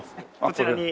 こちらに。